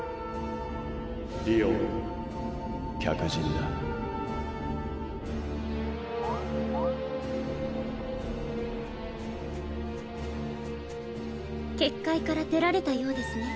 ・りおん客人だ・結界から出られたようですね。